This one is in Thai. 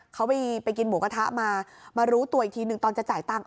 เขาไปกินหมูกระทะมามารู้ตัวอีกทีหนึ่งตอนจะจ่ายตังค์